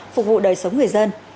phục vụ đời sống người dân